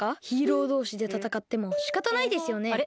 ヒーローどうしでたたかってもしかたないですよね？